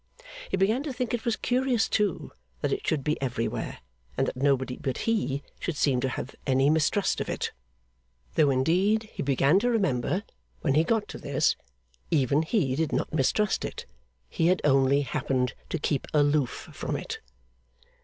He began to think it was curious too that it should be everywhere, and that nobody but he should seem to have any mistrust of it. Though indeed he began to remember, when he got to this, even he did not mistrust it; he had only happened to keep aloof from it.